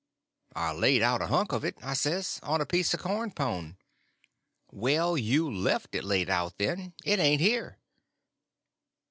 "I laid out a hunk of it," I says, "on a piece of a corn pone." "Well, you left it laid out, then—it ain't here."